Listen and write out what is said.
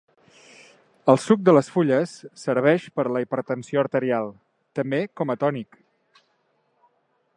El suc de les fulles serveix per a la hipertensió arterial; també com a tònic.